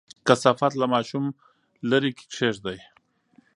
کثافات له ماشوم لرې کېږدئ.